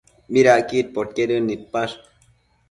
¿Midacquid podquedën nidpash?